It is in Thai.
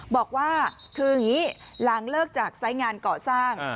บอกว่าคืออย่างนี้หลังเลิกจากไซส์งานเกาะสร้าง